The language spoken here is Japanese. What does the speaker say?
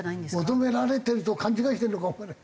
求められてると勘違いしてるのかもわからない。